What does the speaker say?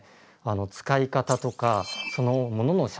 使い方とかその物の写真